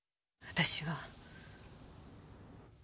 私は。